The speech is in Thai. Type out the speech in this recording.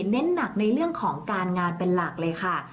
เน้นหนักในเรื่องของการงานเป็นหลักเลยค่ะ